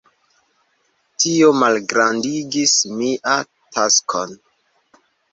Tio malgrandigis mia taskon.